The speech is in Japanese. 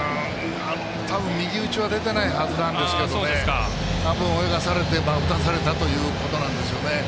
多分、右打ちは出ていないはずなんですけど泳がされて、打たされたということなんでしょうね。